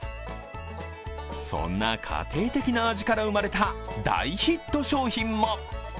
そんな家庭的な味から生まれた大ヒット商品も。